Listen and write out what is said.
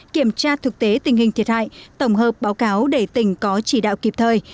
kiểm tra thực tế tình hình thiệt hại tổng hợp báo cáo để tỉnh có chỉ đạo kịp thời